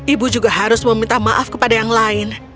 ibu juga harus meminta maaf kepada yang lain